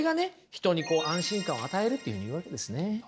人にこう安心感を与えるというふうに言うわけですね。